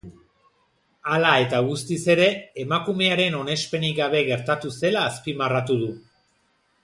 Hala eta guztiz ere, emakumearen onespenik gabe gertatu zela azpimarratu du.